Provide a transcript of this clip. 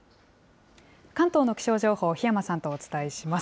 関東の気象情報、檜山さんとお伝えします。